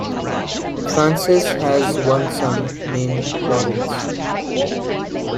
Frances has one son, named Lawrence.